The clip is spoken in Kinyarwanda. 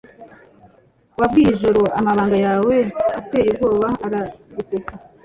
wabwiye ijoro amabanga yawe ateye ubwoba, araguseka;